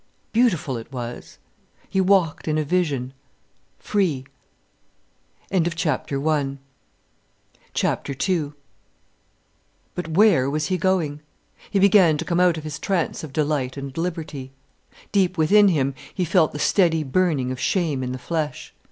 Beautiful it was, he walked in a vision, free. II But where was he going? He began to come out of his trance of delight and liberty. Deep within him he felt the steady burning of shame in the flesh.